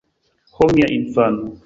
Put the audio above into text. Ho, mia infano!